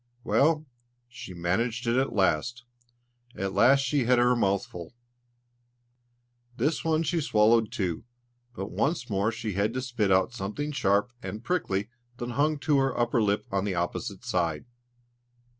Well, she managed it at last; at last she had her mouthful. This one she swallowed too, but once more she had to spit out something sharp and prickly that hung to her upper lip on the opposite side.